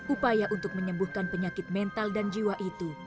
upaya untuk menyembuhkan penyakit mental dan jiwa itu